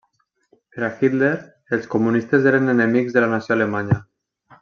Per a Hitler, els comunistes eren enemics de la nació alemanya.